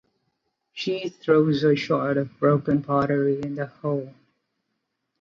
She throws a shard of broken pottery into the hole.